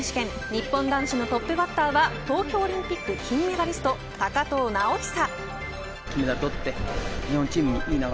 日本男子のトップバッターは東京オリンピック金メダリスト高藤直寿。